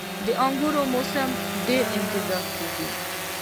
• د انګورو موسم ډیر انتظار کیږي.